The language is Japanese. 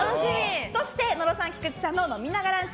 そして、野呂さん、菊地さんの飲みながランチ！